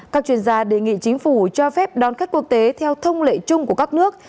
các chuyên gia đề nghị chính phủ cho phép đón khách quốc tế theo thông lệ chung của các nước